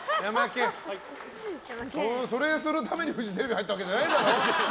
それするためにフジテレビ入ったわけじゃないだろ。